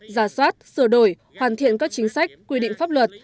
giả soát sửa đổi hoàn thiện các chính sách quy định pháp luật